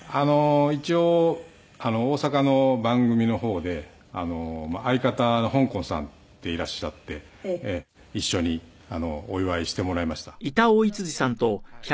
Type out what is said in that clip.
一応大阪の番組の方で相方のほんこんさんっていらっしゃって一緒にお祝いしてもらいました。